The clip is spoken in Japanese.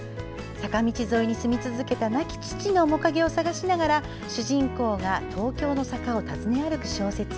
坂道沿いに住み続けた亡き父の面影を探しながら主人公が東京の坂を訪ね歩く小説。